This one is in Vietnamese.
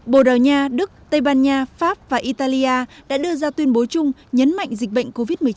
bồ đào nha đức tây ban nha pháp và italia đã đưa ra tuyên bố chung nhấn mạnh dịch bệnh covid một mươi chín